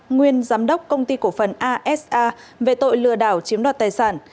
nguyên giám đốc công ty cổ phần asa về tội lừa đảo chiếm đoạt tài sản